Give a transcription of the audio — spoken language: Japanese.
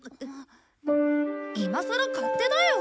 今さら勝手だよ！